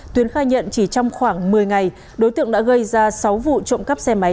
tuyến khai nhận chỉ trong khoảng một mươi ngày đối tượng đã gây ra sáu vụ trộm cắp xe máy